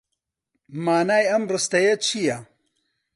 مانای ئەم ڕستەیە چییە؟